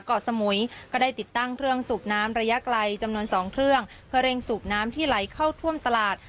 เกาะสมุยก็ได้ติดตั้งเครื่องสูบน้ำระยะไกลจำนวนสองเครื่องเพื่อเร่งสูบน้ำที่ไหลเข้าท่วมตลาด